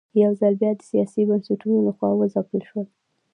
یوځل بیا د سیاسي بنسټونو له خوا وځپل شول.